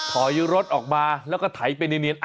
ถอยรถออกมาแล้วก็ไถไปเนียน